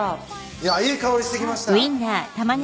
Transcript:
いやいい香りしてきました。ですね。